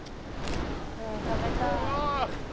「うん食べたい」